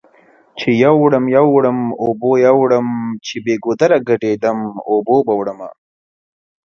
چې يوړم يوړم اوبو يوړم چې بې ګودره ګډ يدم اوبو به وړمه